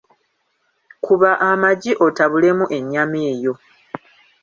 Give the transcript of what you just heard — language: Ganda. Kuba amagi otabulemu ennyama eyo.